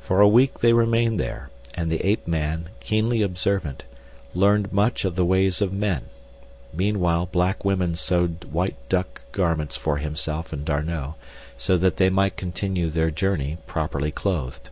For a week they remained there, and the ape man, keenly observant, learned much of the ways of men; meanwhile black women sewed white duck garments for himself and D'Arnot so that they might continue their journey properly clothed.